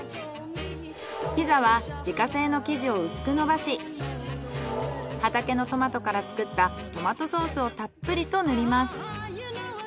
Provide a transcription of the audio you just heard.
ピザは自家製の生地を薄く伸ばし畑のトマトから作ったトマトソースをたっぷりと塗ります。